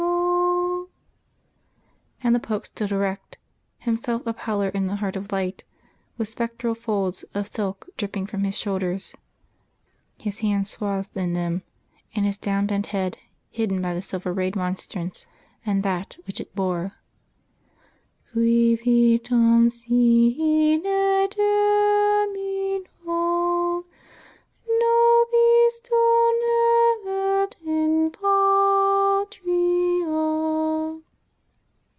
_ and the Pope stood erect, Himself a pallor in the heart of light, with spectral folds of silk dripping from His shoulders, His hands swathed in them, and His down bent head hidden by the silver rayed monstrance and That which it bore.... ... Qui vitam sine termino Nobis donet in patria ....